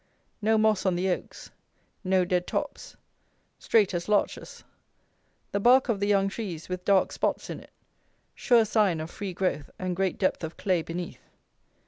No moss on the oaks. No dead tops. Straight as larches. The bark of the young trees with dark spots in it; sure sign of free growth and great depth of clay beneath.